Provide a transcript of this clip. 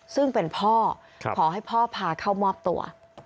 ซึ่งเป็นพ่อขอให้พ่อพาเข้ามอบตัว